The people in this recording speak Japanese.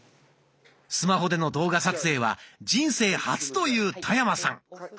スマホでの動画撮影は人生初という田山さん。